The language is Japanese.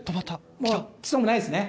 もう来そうもないですね。